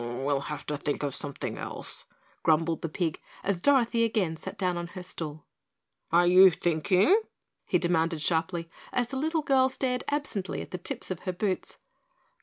"We'll have to think of something else," grumbled the pig, as Dorothy again sat down on her stool. "Are you thinking?" he demanded sharply, as the little girl stared absently at the tips of her boots.